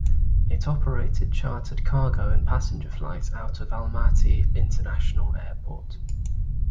It operated chartered cargo and passenger flights out of Almaty International Airport.